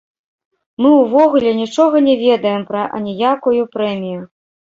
Мы ўвогуле нічога не ведаем пра аніякую прэмію.